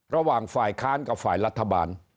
ระหว่างฝ่ายค้านกับฝ่ายรัฐบาล